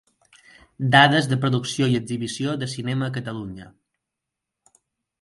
Dades de producció i exhibició de cinema a Catalunya.